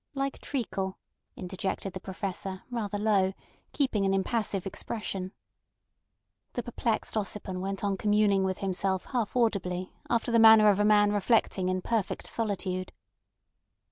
"Like treacle," interjected the Professor, rather low, keeping an impassive expression. The perplexed Ossipon went on communing with himself half audibly, after the manner of a man reflecting in perfect solitude.